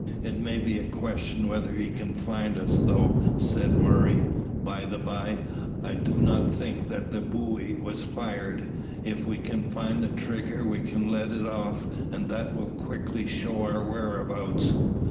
"It may be a question whether he can find us, though," said Murray. "By the bye, I do not think that the buoy was fired. If we can find the trigger we will let it off, and that will quickly show our whereabouts."